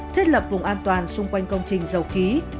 thiết lập vùng an toàn xung quanh công trình dầu khí